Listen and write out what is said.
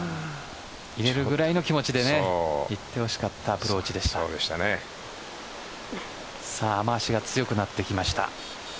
入れるぐらいの気持ちでいて欲しかった雨脚が強くなってきました。